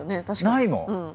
ないもん。